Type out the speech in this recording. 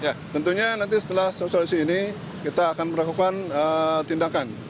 ya tentunya nanti setelah sosialisasi ini kita akan melakukan tindakan